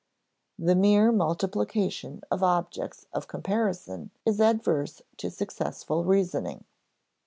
The mere multiplication of objects of comparison is adverse to successful reasoning.